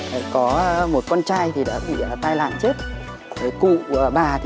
nam mô a di đạo phật